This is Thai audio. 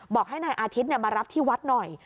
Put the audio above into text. บอกให้นายอาทิตย์มารับที่วัดหน่อย